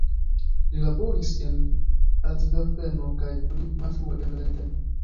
Li laboris en Antverpeno kaj pli malfrue en Lejdeno.